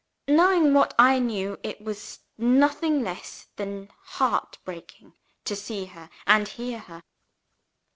Knowing what I knew, it was nothing less than heart breaking to see her and hear her.